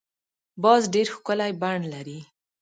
باز ډېر ښکلی بڼ لري